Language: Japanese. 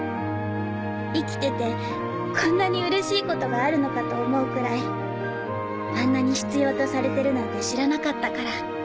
生きててこんなにうれしいことがあるのかと思うくらいあんなに必要とされてるなんて知らなかったから。